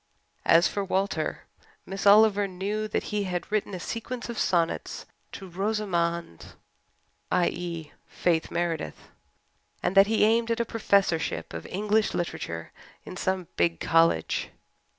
As for Walter, Miss Oliver knew that he had written a sequence of sonnets "to Rosamond" i.e., Faith Meredith and that he aimed at a Professorship of English literature in some big college.